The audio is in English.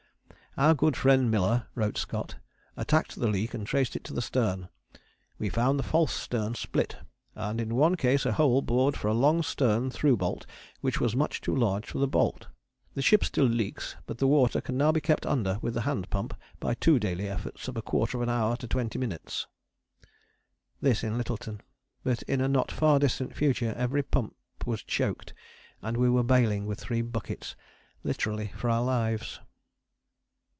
"Our good friend Miller," wrote Scott, "attacked the leak and traced it to the stern. We found the false stern split, and in one case a hole bored for a long stern through bolt which was much too large for the bolt.... The ship still leaks but the water can now be kept under with the hand pump by two daily efforts of a quarter of an hour to twenty minutes." This in Lyttelton; but in a not far distant future every pump was choked, and we were baling with three buckets, literally for our lives.